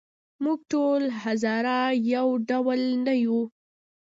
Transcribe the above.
موږ ټول هزاره یو ډول نه یوو.